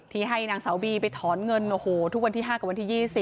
ที่ให้นางสาวบีไปถอนเงินโอ้โหทุกวันที่๕กับวันที่๒๐